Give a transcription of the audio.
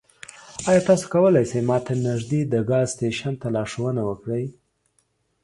ایا تاسو کولی شئ ما ته نږدې د ګاز سټیشن ته لارښوونه وکړئ؟